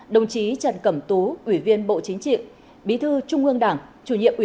đồng chí trần cẩm tú ủy viên bộ chính trị bí thư trung ương đảng